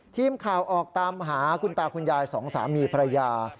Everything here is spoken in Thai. ทีมข่าวออกตามหาคุณตาคุณยายสองสามีภรรยา